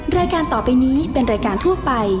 รายการต่อไปนี้เป็นรายการทั่วไป